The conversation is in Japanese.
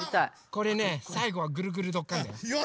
これねさいごは「ぐるぐるどっかん！」だよ。